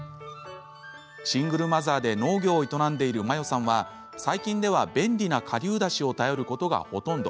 シングルマザーで農業を営んでいる万葉さんは最近では便利な、かりゅうダシを頼ることがほとんど。